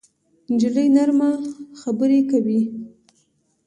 نجلۍ نرمه خبرې کوي.